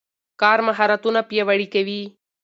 کار مهارتونه پیاوړي کوي.